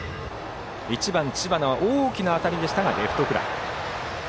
１番、知花は大きな当たりもレフトフライ。